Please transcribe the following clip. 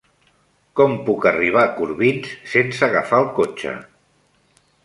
Com puc arribar a Corbins sense agafar el cotxe?